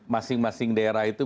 masing masing daerah itu